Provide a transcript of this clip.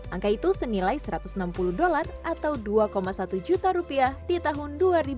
angka itu senilai satu ratus enam puluh dolar atau dua satu juta rupiah di tahun dua ribu dua puluh